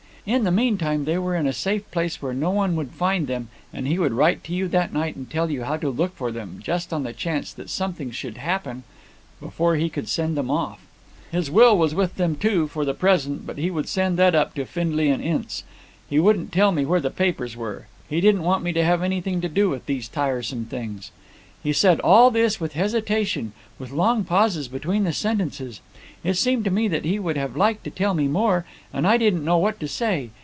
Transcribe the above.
In the meantime they were in a safe place where no one would find them, and he would write to you that night and tell you how to look for them, just on the chance that something should happen before he could send them off. His will was with them, too, for the present, but he would send that up to Findlay & Ince. He wouldn't tell me where the papers were; he didn't want me to have anything to do with these tiresome things. "He said all this with hesitation; with long pauses between the sentences. It seemed to me that he would have liked to tell me more, and I didn't know what to say.